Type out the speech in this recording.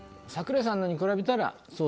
櫻井さんのに比べたら。